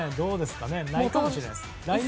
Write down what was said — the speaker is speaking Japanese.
来年かもしれないです。